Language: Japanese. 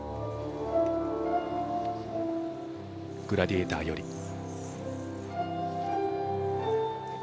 「グラディエーター」より。